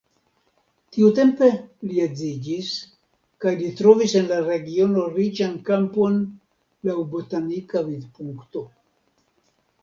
Tiutempe li edziĝis kaj li trovis en la regiono riĉan kampon laŭ botanika vidpunkto.